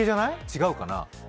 違うかな？